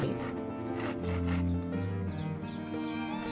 suryono mencari potongan bambu